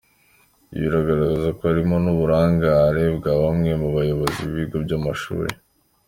Ibi bigaragaza ko harimo n’uburangare bwa bamwe mu bayobozi b’ibigo by’amashuri.